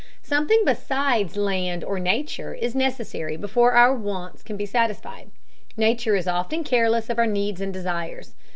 Something besides land, or Nature, is necessary before our wants can be satisfied. Nature is often careless of our needs and desires.